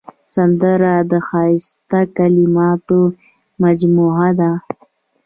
سندره د ښایسته کلماتو مجموعه ده